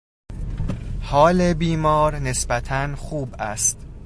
حال بیمار نسبتا خوب است.